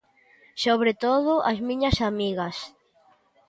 Sobre todo ás miñas amigas.